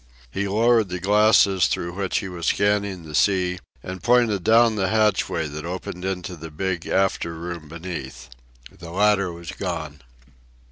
He lowered the glasses through which he was scanning the sea and pointed down the hatchway that opened into the big after room beneath. The ladder was gone.